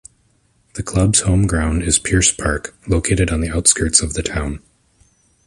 The club's home ground is Pearse Park, located on the outskirts of the town.